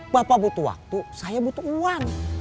bapak butuh waktu saya butuh uang